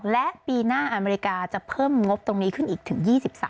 และปีหน้าอเมริกาจะเพิ่มงบตรงนี้ขึ้นอีกถึง๒๓